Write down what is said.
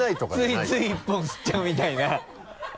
ついつい１本吸っちゃうみたいな